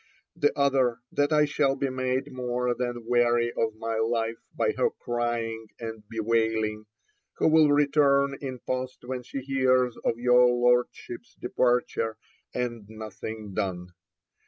The other, that I shall be made more than weary of my life by her crying and bewailing, who will return in post when she hears of your Lordship's departure, and nothing done.